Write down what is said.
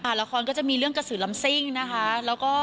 หลายละครก็จะมีเรื่องกะสือลำซิ้งนะคะแล้วก็